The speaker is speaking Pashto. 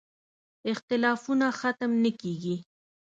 اختلافونه ختم نه کېږي.